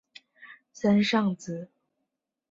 森尚子。